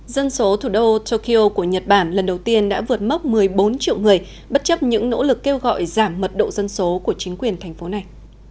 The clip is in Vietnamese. dân số thủ đô tokyo của nhật bản lần đầu tiên đã vượt mốc một mươi bốn triệu người bất chấp những nỗ lực kêu gọi giảm mật độ dân số của chính quyền thành phố này